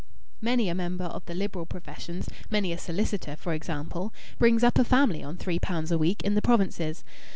Many a member of the liberal professions many a solicitor, for example brings up a family on three pounds a week in the provinces.